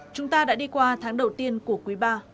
chúng ta đã đi qua tháng đầu tiên của quý ba